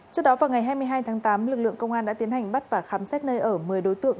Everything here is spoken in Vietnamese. trước đó vào ngày hai mươi hai tháng tám lực lượng công an đã tiến hành bắt và khám xét nơi ở một mươi đối tượng